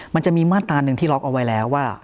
มันจะมีมาตราหนึ่งที่ล็อกเอาไว้แล้วว่า